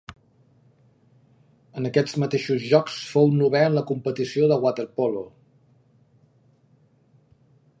En aquests mateixos Jocs fou novè en la competició de waterpolo.